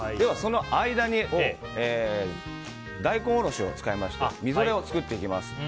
その間に大根おろしを使いましてみぞれを作っていきます。